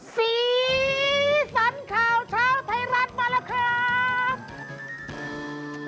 สีสันข่าวเช้าไทยรัฐมาแล้วครับ